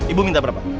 ibu minta berapa